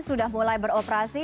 sudah mulai beroperasi